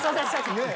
ねえ。